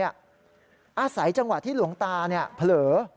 อาศัยจังหวะที่หลวงตาเผลอ